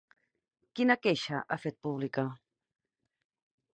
Quina queixa ha fet pública?